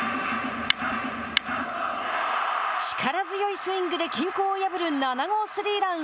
力強いスイングで均衡を破る７号スリーラン。